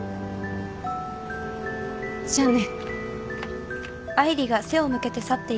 じゃあね。